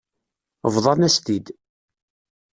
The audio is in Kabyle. Bḍan-as-t-id.